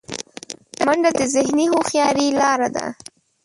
منډه د ذهني هوښیارۍ لاره ده